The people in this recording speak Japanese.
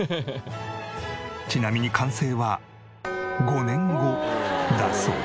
ちなみに完成は５年後だそう。